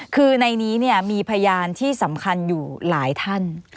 คือในนี้มีพยานที่สำคัญอยู่หลายท่าน